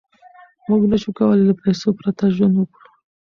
موږ نشو کولای له پیسو پرته ژوند وکړو.